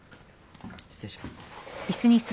失礼します。